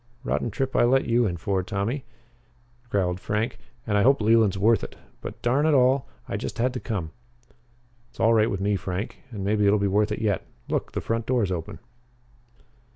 "Rotten trip I let you in for Tommy," growled Frank, "and I hope Leland's worth it. But, darn it all, I just had to come." "It's all right with me, Frank. And maybe it'll be worth it yet. Look the front door's open."